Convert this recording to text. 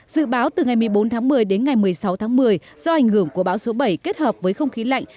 dự báo từ ngày một mươi bốn tháng một mươi đến ngày một mươi sáu tháng một mươi do ảnh hưởng của bão số bảy kết hợp với không khí lạnh